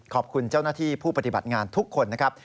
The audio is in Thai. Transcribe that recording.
ขอบคุณเจ้าหน้าที่ผู้ปฏิบัติงานทุกคนนะครับ